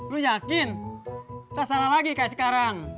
lu yakin kita salah lagi kayak sekarang